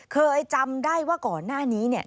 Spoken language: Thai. เคยจำได้ว่าก่อนหน้านี้เนี่ย